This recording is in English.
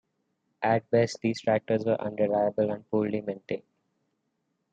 At best these tractors were unreliable and were poorly maintained.